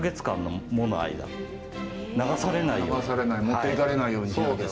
持っていかれないようにしなきゃ。